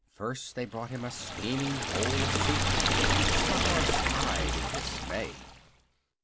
First they brought him a steaming bowl of soup, which the horse eyed in dismay.